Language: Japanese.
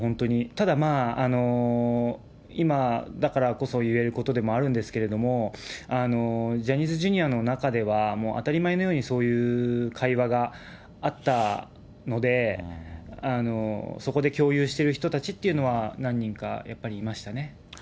ただまあ、今だからこそ言えることでもあるんですけれども、ジャニーズＪｒ．の中では当たり前のようにそういう会話があったので、そこで共有してる人たちっていうのは、何人かやっぱりいましたね。